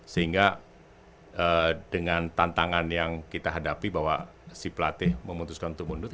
sehingga dengan tantangan yang kita hadapi bahwa si pelatih memutuskan untuk mundur